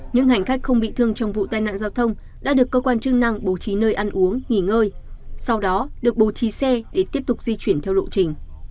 những hành khách không bị thương trong vụ tai nạn giao thông đã được cơ quan chức năng bố trí nơi ăn uống nghỉ ngơi sau đó được bố trí xe để tiếp tục di chuyển theo lộ trình